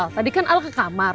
tadi kan al ke kamar